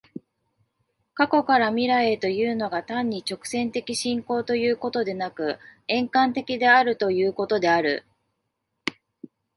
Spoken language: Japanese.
過去から未来へというのが、単に直線的進行ということでなく、円環的であるということである。